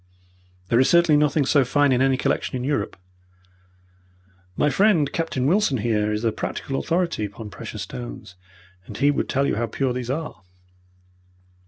There is certainly nothing so fine in any collection in Europe. My friend, Captain Wilson, here, is a practical authority upon precious stones, and he would tell you how pure these are."